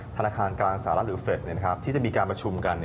ธนาคารกลางสหรัฐหรือเฟรดที่จะมีการประชุมกัน